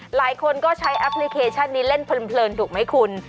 หลายคนก็ใช้แอปพลิเคชันนี้เล่นเพลินถูกไหมคุณ